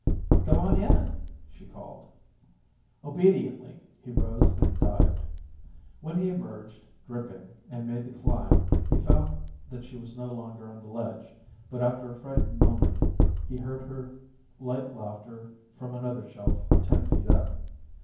"Go on in!" she called Obediently he rose and dived. When he emerged, dripping, and made the climb he found that she was no longer on the ledge, but after a second frightened he heard her light laughter from another shelf ten feet up.